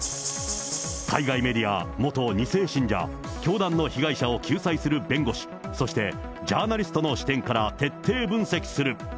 海外メディア、元２世信者、教団の被害者を救済する弁護士、そしてジャーナリストの視点から徹底分析する。